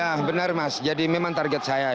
ya benar mas jadi memang target saya